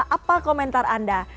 apa komentar anda